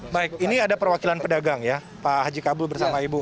baik ini ada perwakilan pedagang ya pak haji kabul bersama ibu